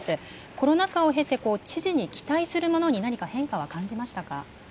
コロナ禍を経て、知事に期待するものに、何か変化は感じましたか。